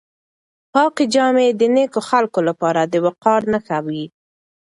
پاکې جامې د نېکو خلکو لپاره د وقار نښه وي.